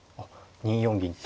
２四銀と。